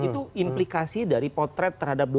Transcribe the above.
itu implikasi dari potret terhadap